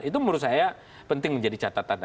itu menurut saya penting menjadi catatan